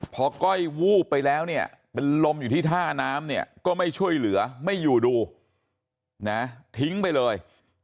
พอก้อยวูบไปแล้วเนี่ยเป็นลมอยู่ที่ท่าน้ำเนี่ยก็ไม่ช่วยเหลือไม่อยู่ดูนะทิ้งไปเลย